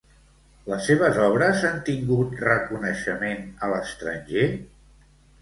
Les seves obres han tingut reconeixement a l'estranger?